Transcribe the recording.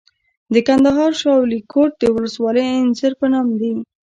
د کندهار شاولیکوټ ولسوالۍ انځر په نام دي.